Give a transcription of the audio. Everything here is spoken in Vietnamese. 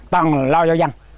toàn lo do dân